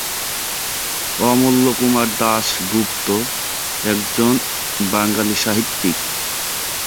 অমূল্যকুমার দাশগুপ্ত একজন বাঙালি সাহিত্যিক।